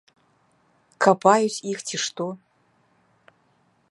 Капаюць іх, ці што?